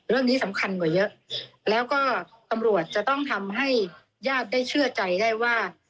สำคัญกว่าเยอะแล้วก็ตำรวจจะต้องทำให้ญาติได้เชื่อใจได้ว่า